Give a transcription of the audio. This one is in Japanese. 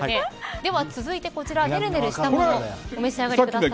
では続いてこちらねるねるしたものをおめし上がりください。